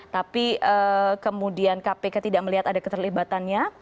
tapi kemudian kpk tidak melihat ada keterlibatannya